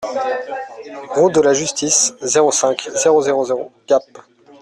Route de la Justice, zéro cinq, zéro zéro zéro Gap